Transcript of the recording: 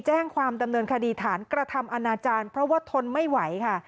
แจ้งความดำเนินคดีฐานกระทำอนาจารย์เพราะว่าทนไม่ไหวค่ะ